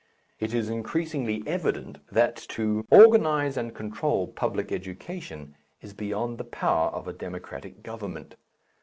It is increasingly evident that to organize and control public education is beyond the power of a democratic government.